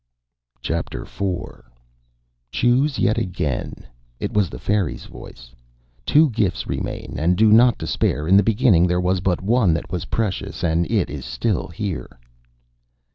Chapter IV "Chose yet again." It was the fairy's voice. "Two gifts remain. And do not despair. In the beginning there was but one that was precious, and it is still here."